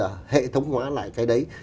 bây giờ hệ thống hóa lại cái đấy